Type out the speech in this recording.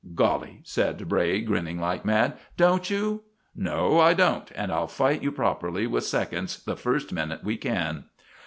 '" "Golly!" said Bray, grinning like mad, "don't you?" "No, I don't; and I'll fight you properly with seconds the first minute we can."